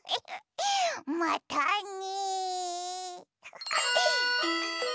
またね。